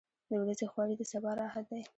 • د ورځې خواري د سبا راحت دی.